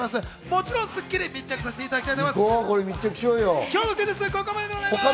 もちろん『スッキリ』が密着させていただきます。